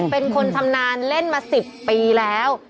เป็นคนชำนาญเล่นมา๑๐ปีแล้ว